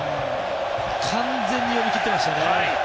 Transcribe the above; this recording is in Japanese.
完全に読み切ってました。